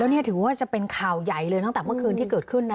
นี่ถือว่าจะเป็นข่าวใหญ่เลยตั้งแต่เมื่อคืนที่เกิดขึ้นนะ